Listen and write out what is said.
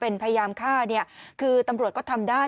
เป็นข้อหาพยายามฆ่าตำรวจก็ทำได้